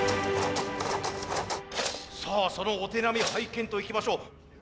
さあそのお手並み拝見といきましょう。